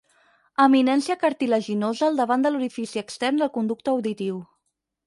Eminència cartilaginosa al davant de l'orifici extern del conducte auditiu.